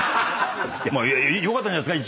良かったんじゃないですか？